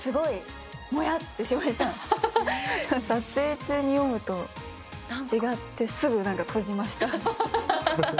撮影中に読むと違って、すぐ閉じました。